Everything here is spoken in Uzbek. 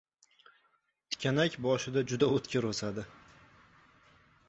• Tikanak boshida juda o‘tkir o‘sadi.